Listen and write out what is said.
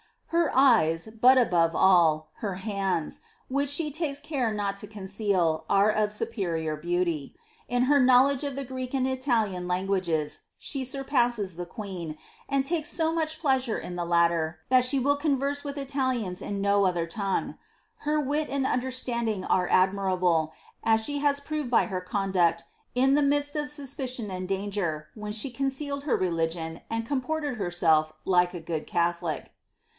^ Her eyes, but above all, her hands, which she takes care not to conceal, are of superior beauty. In her knowledge of the Greek and Italian languages, she surpasses the queen, and takes so much pleasure in the latter, that she will converse with ludians in no other tongue. Her wit and understanding are admirable, as she has proved by her con duct in the midst of suspicion and danger, when she concealed her reli gion, and comported herself like a good Catholic."